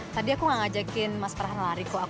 tadi aku gak ngajakin mas farhan lari kok